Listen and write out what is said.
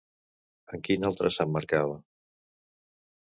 En quina altra s'emmarcava?